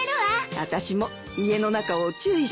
あたしも家の中を注意して見てみるよ。